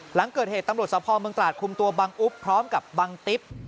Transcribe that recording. หลังเกิดเหตุตำรวจสภเมืองตราดคุมตัวบังอุ๊บพร้อมกับบังติ๊บ